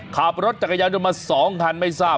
ขับรถจักรยานยนต์มา๒คันไม่ทราบ